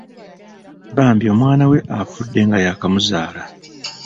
Bambi omwana we afudde nga yakamuzaala.